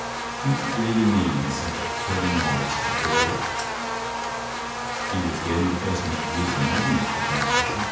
"Do you really mean," he said, "that Colonel Morris took the relic?" "He was the only person who could use the magnet," replied Fisher.